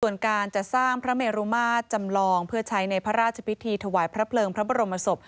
ส่วนการจัดสร้างพระเมรุมาตรจำลองเพื่อใช้ในพระราชพิธีถวายพระเพลิงพระบรมศพ